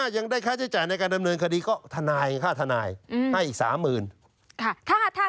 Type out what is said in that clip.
ยังได้ค่าใช้จ่ายในการดำเนินคดีก็ทนายค่าทนายให้อีก๓๐๐๐บาท